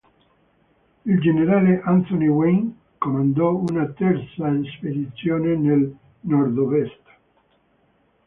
Il generale Anthony Wayne comandò una terza spedizione nel nordovest.